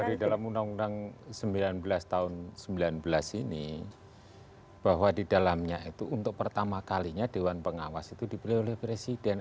di dalam undang undang sembilan belas tahun sembilan belas ini bahwa di dalamnya itu untuk pertama kalinya dewan pengawas itu dipilih oleh presiden